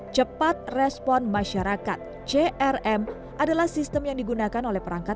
cepat respon masyarakat crm adalah sistem yang digunakan oleh perangkat